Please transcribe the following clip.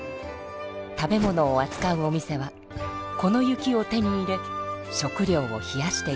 食べ物をあつかうお店はこの雪を手に入れ食料を冷やしていたのです。